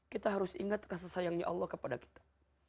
kita harus ingat kasih sayangnya allah kepada kita